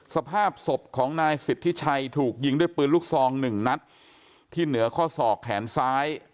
สภาพศพของนายสิทธิชัยถูกยิงด้วยปืนลูกซองหนึ่งนัดที่เหนือข้อศอกแขนซ้าย